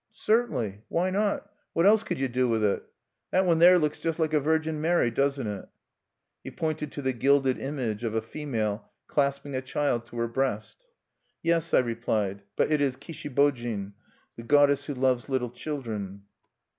"Certainly. Why not? What else could you do with it?... That one there looks just like a Virgin Mary, doesn't it?" He pointed to the gilded image of a female clasping a child to her breast. "Yes," I replied; "but it is Kishibojin, the goddess who loves little children."